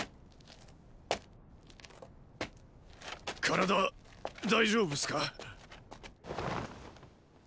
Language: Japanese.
体大丈夫スか？